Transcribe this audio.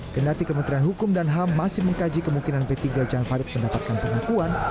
kendati kementerian hukum dan ham masih mengkaji kemungkinan p tiga jan farid mendapatkan pengakuan